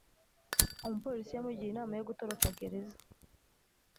Umupolisi yamugiriye inama yo gutoroka gereza